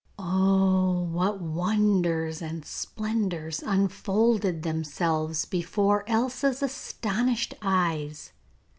Oh! what wonders and splendours unfolded themselves before Elsa's astonished eyes!